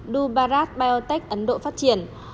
do bharat biotech ấn độ phát triển